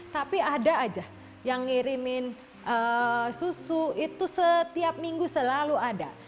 tapi ada aja yang ngirimin susu itu setiap minggu selalu ada